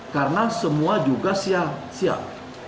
karena semua juga siap